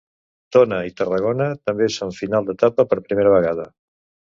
Tona i Tarragona també són final d'etapa per primera vegada.